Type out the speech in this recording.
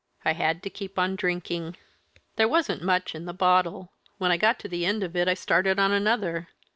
I had to keep on drinking. There wasn't much in the bottle; when I got to the end of it I started on another.